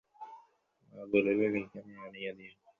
মা কহিলেন, এইখানেই আনিয়া দিই না?